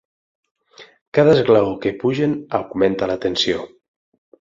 Cada esglaó que pugen augmenta la tensió.